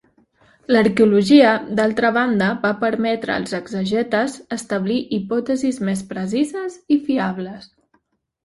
L'arqueologia, d'altra banda, va permetre als exegetes establir hipòtesis més precises i fiables.